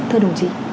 thưa đồng chí